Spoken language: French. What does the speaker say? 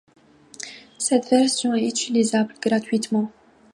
Cette version est utilisable gratuitement.